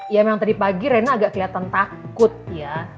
ya memang tadi pagi raina agak keliatan takut ya